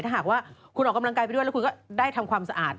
ถ้าหากว่าคุณออกกำลังกายไปด้วยแล้วคุณก็ได้ทำความสะอาด